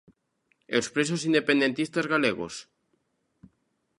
E os presos independentistas galegos?